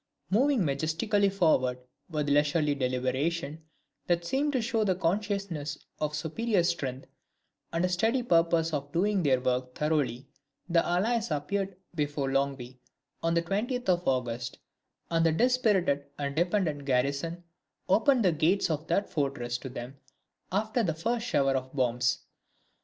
Moving majestically forward, with leisurely deliberation, that seemed to show the consciousness of superior strength, and a steady purpose of doing their work thoroughly, the Allies appeared before Longwy on the 20th of August, and the dispirited and dependent garrison opened the gates of that fortress to them after the first shower of bombs.